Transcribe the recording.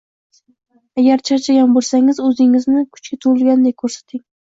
Agar charchagan bo‘lsangiz, o‘zingizni kuchga to‘ladek ko‘rsating.